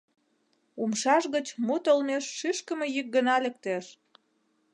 Умшаж гыч мут олмеш шӱшкымӧ йӱк гына лектеш.